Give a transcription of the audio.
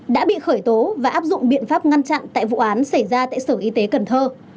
đã bị khởi tố và áp dụng biện pháp ngăn chặn tại vụ án xảy ra tại sở y tế cần thơ